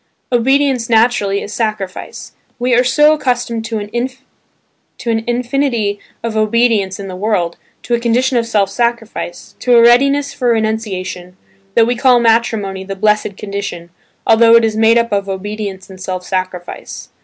Obedience naturally is sacrifice. We are so accustomed to an infinity of obedience in the world, to a condi tion of self sacrifice, to a readiness for renunciation, that we call matrimony the "blessed condition," although it is made up of obedience and self sacrifice.